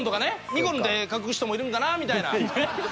にこるんって書く人もいるんかなみたいな。